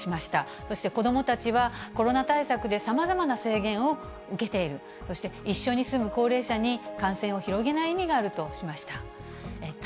そして子どもたちは、コロナ対策で、さまざまな制限を受けている、そして一緒に住む高齢者に感染を広げない意味があるとしました。